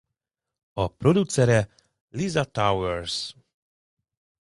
A producere Lisa Towers.